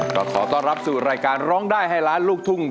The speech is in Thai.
ก็ขอต้อนรับสู่รายการร้องได้ให้ล้านลูกทุ่ง